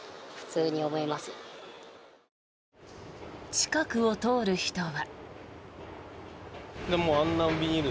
近くを通る人は。